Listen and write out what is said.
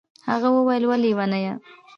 هغه وويل وه ليونيه.